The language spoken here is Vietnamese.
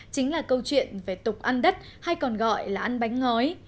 chính là câu chuyện về tục ăn đất hay còn gọi là ăn bánh ngói